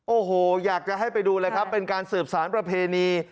โอ้โหอยากจะให้ไปดูเลยครับเป็นการสืบสารประเพณี